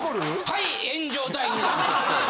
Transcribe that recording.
はい。